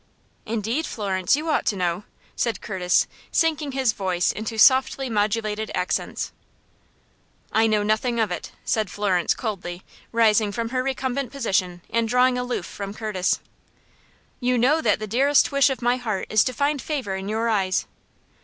"Indeed, Florence, you ought to know," said Curtis, sinking his voice into softly modulated accents. "I know nothing of it," said Florence, coldly, rising from her recumbent position, and drawing aloof from Curtis. "You know that the dearest wish of my heart is to find favor in your eyes.